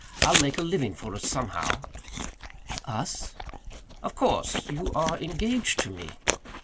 I'll make a living for us somehow." "Us?" "Of course. You are engaged to me."